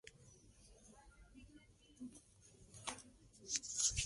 Un prototipo jugable del videojuego fue liberado con un lanzamiento conjunto.